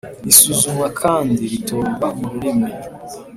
risuzumwa kandi ritorwa mu rurimi